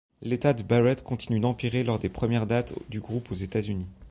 L'état de Barrett continue d'empirer lors des premières dates du groupe aux États-Unis.